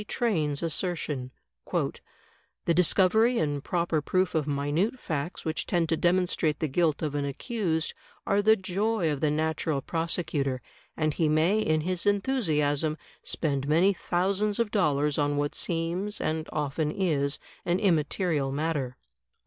Train's assertion: "The dis covery and proper proof of minute facts which tend to demonstrate the guilt of an accused are the joy of the natural prosecutor, and he may in his enthusiasm spend many thousands of dollars on what seems, and often is, an im material matter."